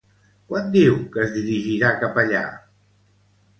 Quan diu que es dirigirà cap allà?